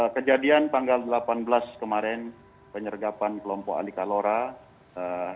kejadian tanggal delapan belas kemarin penyergapan kelompok ali kalora